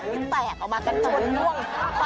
คุณชนะนี่ย่ำไปไหมยู่ติดร้อนย้างติดแตกออกมากัน